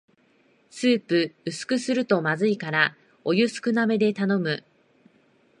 スープ薄くするとまずいからお湯少なめで頼む